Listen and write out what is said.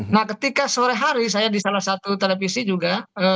nah ketika sore hari saya di salah satu televisi juga